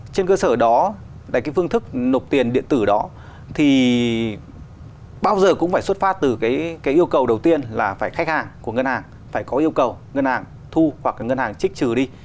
trên cơ sở đó để cái phương thức nộp tiền điện tử đó thì bao giờ cũng phải xuất phát từ cái yêu cầu đầu tiên là phải khách hàng của ngân hàng phải có yêu cầu ngân hàng thu hoặc ngân hàng chích trừ đi